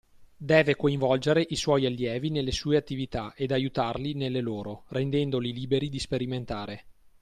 Deve coinvolgere i suoi “allievi” nelle sue attività ed aiutarli nelle loro rendendoli liberi di sperimentare.